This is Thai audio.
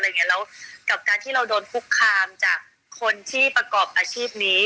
แล้วกับการที่เราโดนคุกคามจากคนที่ประกอบอาชีพนี้